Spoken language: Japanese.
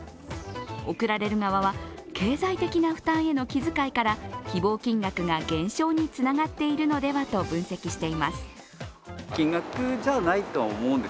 贈られる側は、経済的な負担への気遣いから希望金額が減少につながっているのではと分析しています。